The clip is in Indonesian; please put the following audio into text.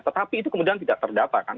tetapi itu kemudian tidak terdata kan